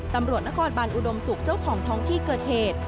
ตำรวจนครบันอุดมศุกร์เจ้าของท้องที่เกิดเหตุ